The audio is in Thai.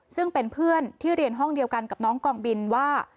ซึ่งเป็นเพื่อนที่เรียนห้องเดียวกันกับน้องกองบินว่า